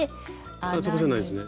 あっそこじゃないですね。